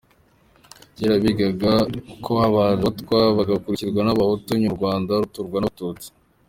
Kera bigaga ko habanje Abatwa, bagakurikirwa n’Abahutu nyuma u Rwanda ruturwa n’Abatutsi.